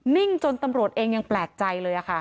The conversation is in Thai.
่งจนตำรวจเองยังแปลกใจเลยค่ะ